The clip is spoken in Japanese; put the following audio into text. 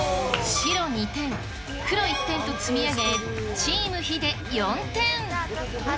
白２点、黒１点と積み上げ、チームヒデ４点。